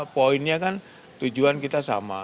poinnya kan tujuan kita sama